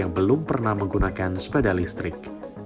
yang belum pernah menggunakan sepeda listrik